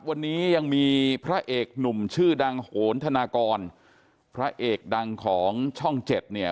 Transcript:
วันนี้ยังมีพระเอกหนุ่มชื่อดังโหนธนากรพระเอกดังของช่องเจ็ดเนี่ย